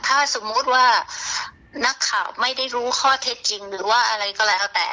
ถ้าสมมุติว่านักข่าวไม่ได้รู้ข้อเท็จจริงหรือว่าอะไรก็แล้วแต่